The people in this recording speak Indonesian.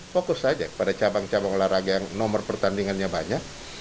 fokus saja pada cabang cabang olahraga yang nomor pertandingannya banyak